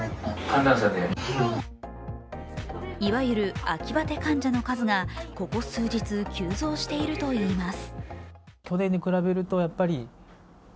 いわゆる秋バテ患者の数がここ数日、急増しているといいます。